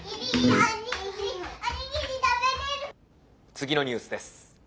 「次のニュースです。